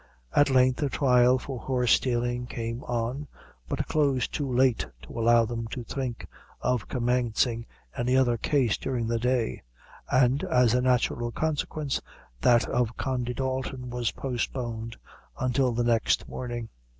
At length a trial for horse stealing came on, but closed too late to allow them to think of commencing any other case during that day; and, as a natural consequence, that of Condy Dalton was postponed until the next morning.